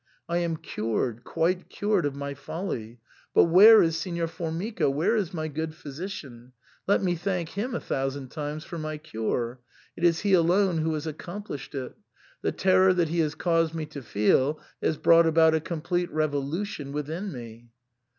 I am cured, quite cured of my folly. But where is Signor Formica, where is my good physician ? let me thank him a thou sand times for my cure ; it is he alone who has accom plished it. The terror that he has caused me to feel has brought about a complete revolution within me."